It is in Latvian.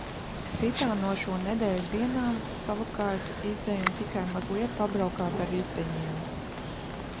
Citā no šo nedēļu dienām, savukārt, izejam tikai mazliet pabraukāt ar riteņiem.